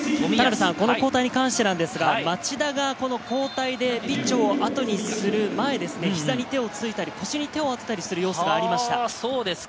この交代に関しては、町田が交代でピッチをあとにする前、膝に手をついたり、腰に手を当てたりする様子がありました。